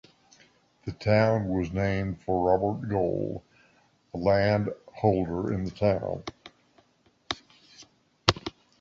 The town was named for Robert Gould, a landholder in the town.